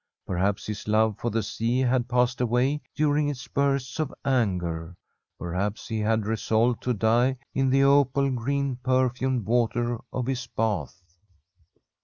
Perhaps his love for the sea had passed away dur ing its bursts of anger ; perhaps he had resolved to die in the opal green perfumed water of his bath.